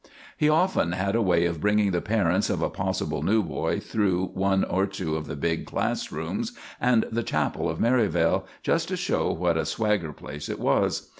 He often had a way of bringing the parents of a possible new boy through one or two of the big class rooms and the chapel of Merivale, just to show what a swagger place it was.